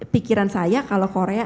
pikiran saya kalau korea